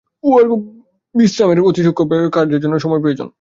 উহার কতকটা বিশ্রামের বা অতি সূক্ষ্ম অব্যক্ত কার্যের জন্য সময় প্রয়োজন।